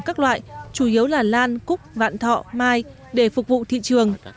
các loại chủ yếu là lan cúc vạn thọ mai để phục vụ thị trường